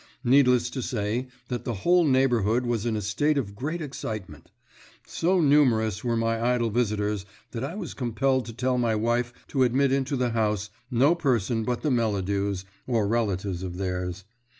Needless to say that the whole neighbourhood was in a state of great excitement; so numerous were my idle visitors that I was compelled to tell my wife to admit into the house no person but the Melladews, or relatives of theirs.